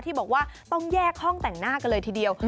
ที่บอกว่าต้องแยกห้องแต่งหน้ากันเลยทีเดียว